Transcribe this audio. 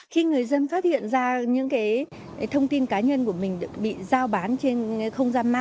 khi người dân phát hiện ra những thông tin cá nhân của mình bị giao bán